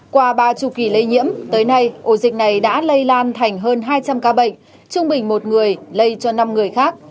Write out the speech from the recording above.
qua ba mươi kỳ lây nhiễm tới nay ổ dịch này đã lây lan thành hơn hai trăm linh ca bệnh trung bình một người lây cho năm người khác